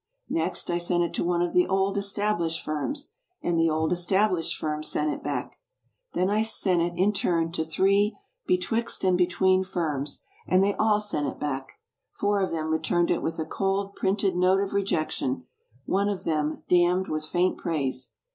Next I sent it to one of the "old, established firms," and the old established firm sent it back. Then I sent it, in turn, to three "Betwixt and between firms", and they all sent it back. Four of them returned it with a cold, printed note of rejection; one of them "damned with faint praise."